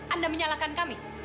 anda menyalahkan kami